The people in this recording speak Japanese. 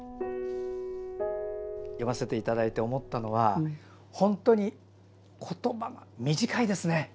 読ませていただいて思ったのは本当に言葉が短いですね。